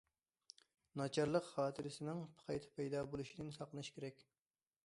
ناچارلىق خاتىرىسىنىڭ قايتا پەيدا بولۇشىدىن ساقلىنىش كېرەك.